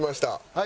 はい。